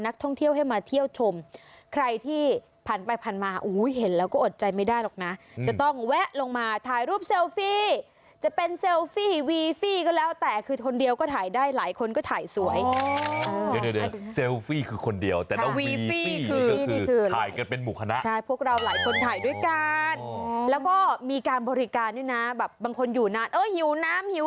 ท่องเที่ยวให้มาเที่ยวชมใครที่ผ่านไปผ่านมาอุ้ยเห็นแล้วก็อดใจไม่ได้หรอกนะจะต้องแวะลงมาถ่ายรูปเซลฟี่จะเป็นเซลฟี่วีฟี่ก็แล้วแต่คือคนเดียวก็ถ่ายได้หลายคนก็ถ่ายสวยเดี๋ยวเซลฟี่คือคนเดียวแต่ถ้าวีฟี่คือถ่ายกันเป็นหมู่คณะใช่พวกเราหลายคนถ่ายด้วยกันแล้วก็มีการบริการด้วยนะแบบบางคนอยู่นานเออหิวน้ำหิว